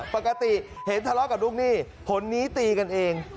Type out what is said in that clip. ปกติเห็นทะเลาะกับลูกหนี้ผลนี้ตีกันเอง